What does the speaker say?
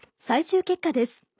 最終結果です。